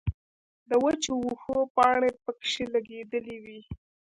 د وچو وښو پانې پکښې لګېدلې وې